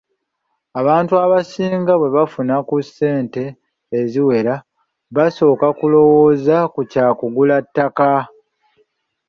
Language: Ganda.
Abantu abasinga bwe bafuna ku ssente eziwera basooka kulowooza ku kya kugula ttaka.